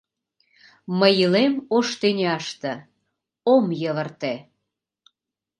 «Мый илем ош тӱняште — ом йывырте...»